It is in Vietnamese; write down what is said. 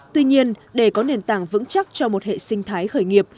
tuy nhiên để có nền tảng vững chắc cho một hệ sinh thái khởi nghiệp